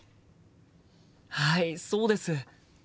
はいそうです。